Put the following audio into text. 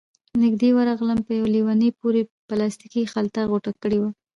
نږدې ورغلم، په يوه ليوني پورې يې پلاستيکي خلطه غوټه کړې وه،